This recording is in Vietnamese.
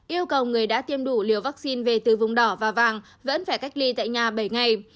yêu cầu người đã tiêm đủ liều vaccine về từ vùng đỏ và vàng vẫn phải cách ly tại nhà bảy ngày